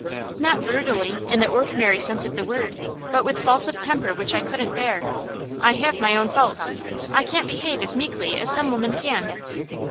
'Not brutally, in the ordinary sense of the word. But with faults of temper which I couldn't bear. I have my own faults. I can't behave as meekly as some women can.